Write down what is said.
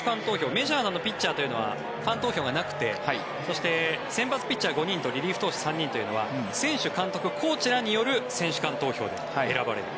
メジャーのピッチャーというのはファン投票がなくてそして先発ピッチャー５人とリリーフ投手３人というのは選手、監督、コーチらによる選手間投票で選ばれる。